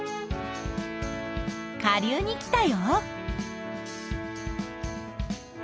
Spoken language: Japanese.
下流に来たよ。